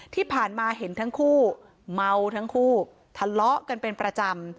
ที่ผ่านมาเห็นทั้งคู่เมาทั้งคู่ทะเลาะกันเป็นประจำ